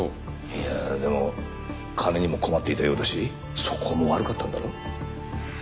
いやでも金にも困っていたようだし素行も悪かったんだろ？